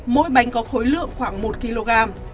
mỗi bánh có khối lượng khoảng một kg